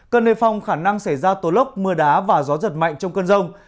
cần nề phong khả năng xảy ra tổ lốc mưa đá và gió giật mạnh trong cơn rông